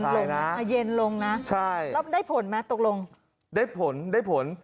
และเย็นลงนะแล้วได้ผลมั้ยตกลงได้ผลได้ผล